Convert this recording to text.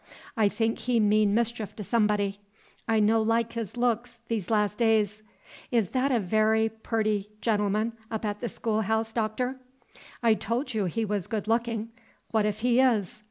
I think he mean' mischief to somebody. I no like his looks these las' days. Is that a very pooty gen'l'm'n up at the schoolhouse, Doctor?" "I told you he was good looking. What if he is?"